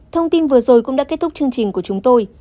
thông tin vừa rồi cũng đã kết thúc chương trình của chúng tôi